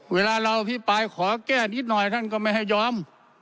เวลาเราอภิปรายขอแก้นิดหน่อยท่านก็ไม่ให้ยอม